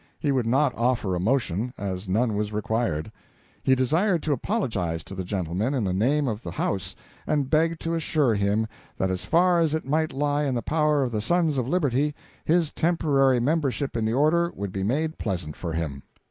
He would not offer a motion, as none was required. He desired to apologize to the gentleman in the name of the house, and begged to assure him that as far as it might lie in the power of the Sons of Liberty, his temporary membership in the order would be made pleasant to him.